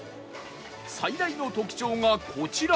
最大の特長がこちらの